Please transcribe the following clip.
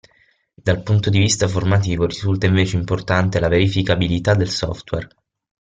Dal punto di vista formativo risulta invece importante la verificabilità del software.